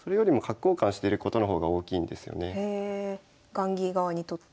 雁木側にとって？